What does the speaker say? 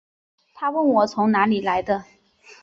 她问我从哪里来的